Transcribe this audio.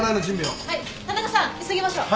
はい田中さん急ぎましょう。